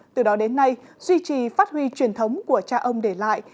từ đó đến nay duy trì phát huy truyền thống của cha ông để lại